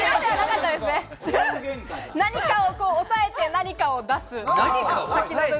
何かを押さえて、何かを出す。